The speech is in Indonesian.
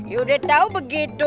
ya udah tau begitu